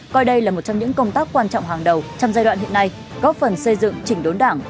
coi đây là một trong những công tác quan trọng hàng đầu trong giai đoạn hiện nay góp phần xây dựng chỉnh đốn đảng